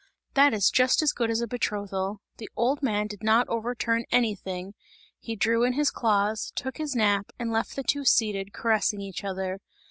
That is just as good as a betrothal; the old man did not overturn anything, he drew in his claws, took his nap and left the two seated, caressing each other.